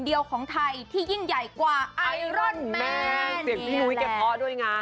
เสียงพี่นุ้ยเก็บเพาะด้วยนะ